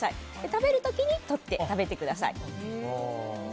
食べる時にとって食べてください。